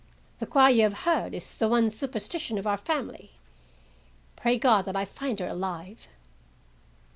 The cry you have heard is the one superstition of our family. Pray God that I find her alive!"